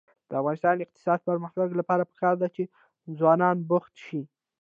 د افغانستان د اقتصادي پرمختګ لپاره پکار ده چې ځوانان بوخت شي.